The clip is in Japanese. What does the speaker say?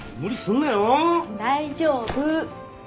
大丈夫。